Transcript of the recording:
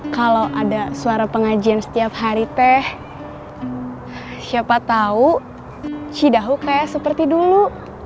kalau ada suara pengajian setiap hari teh siapa tahu shidahu kayak seperti dulu